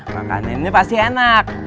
makanannya pasti enak